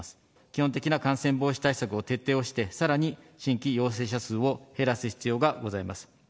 基本的な感染防止対策を徹底をして、さらに新規陽性者数を減らす必要がございます。